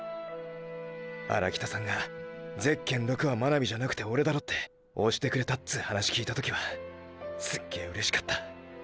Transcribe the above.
荒北さんが「ゼッケン６」は真波じゃなくてオレだろって推してくれたつう話きいた時はすっげ嬉しかった。